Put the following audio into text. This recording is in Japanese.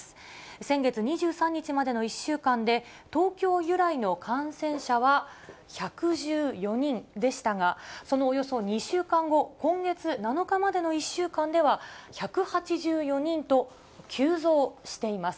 先月２３日までの１週間で、東京由来の感染者は１１４人でしたが、そのおよそ２週間後、今月７日までの１週間では１８４人と、急増しています。